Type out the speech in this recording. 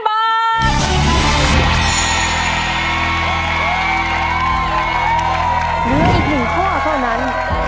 เหลืออีกหนึ่งข้อเท่านั้น